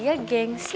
gak ada yang nungguin